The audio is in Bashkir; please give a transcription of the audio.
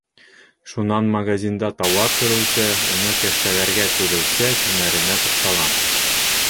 Шунан магазинда тауар төрөүсе, уны кәштәләргә теҙеүсе һөнәренә туҡталам.